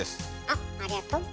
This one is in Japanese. あっありがとう。